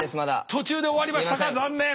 途中で終わりましたか残念。